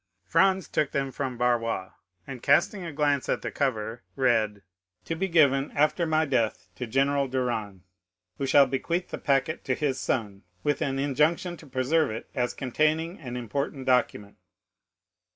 Franz took them from Barrois and casting a glance at the cover, read: "'To be given, after my death, to General Durand, who shall bequeath the packet to his son, with an injunction to preserve it as containing an important document.